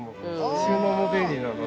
収納も便利なので。